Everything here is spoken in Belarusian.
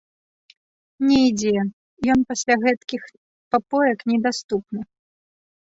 Не ідзе, ён пасля гэтакіх папоек недаступны.